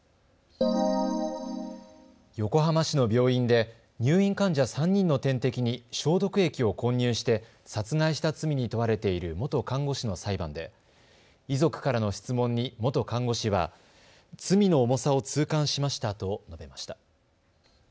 横浜市の病院で入院患者３人の点滴に消毒液を混入して殺害した罪に問われている元看護師の裁判で遺族からの質問に元看護師は罪の重さを痛感しましたと述べました。